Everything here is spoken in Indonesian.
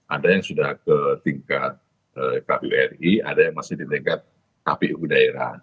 ada yang sudah ke tingkat kpu ri ada yang masih di tingkat kpu daerah